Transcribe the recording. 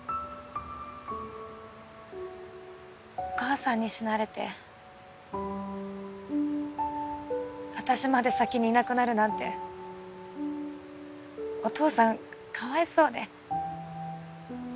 お母さんに死なれて私まで先にいなくなるなんてお父さんかわいそうで。